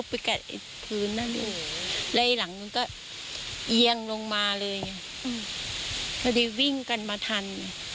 พอเดี๋ยววิ่งกันมาทัน